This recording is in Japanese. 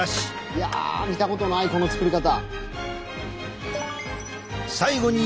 いや見たことないこの作り方！